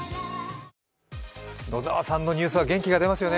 野沢さんのニュースは元気が出ますよね。